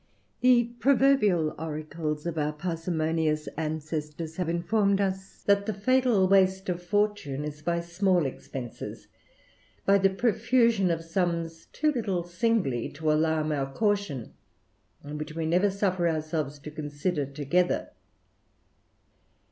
The proverbial oracles of our parsimonious ancestors have informed us, that the fatal waste of fortune is by small expenses, by the profusion of sums too little singly to alarm our caution, and which we never suffer ourselves to con sider together.